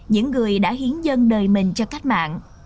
những người đã hiến dân đời mình cho cách mạng